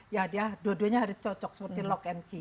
ya dia dua duanya harus cocok seperti lock and key